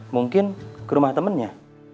mungkin ke rumah temannya